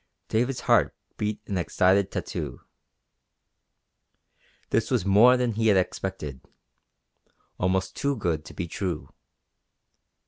David's heart beat an excited tattoo. This was more than he had expected. Almost too good to be true.